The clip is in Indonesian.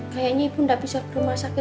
kayaknya ibu nggak bisa ke rumah sakit